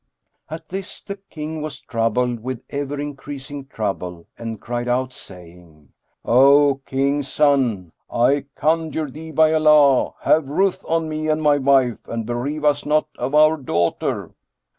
At this the King was troubled with ever increasing trouble and cried out, saying, "O King's son, I conjure thee, by Allah, have ruth on me and my wife and bereave us not of our daughter!"